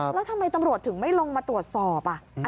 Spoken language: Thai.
แล้วทำไมตำรวจถึงไม่ลงมาตรวจสอบ